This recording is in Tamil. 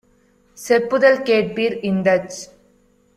செப்புதல் கேட்பீர்! - இந்தச்